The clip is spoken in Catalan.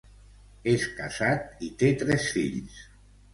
És casat i té tres fills.